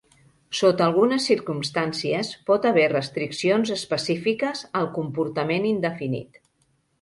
Sota algunes circumstàncies pot haver restriccions específiques al comportament indefinit.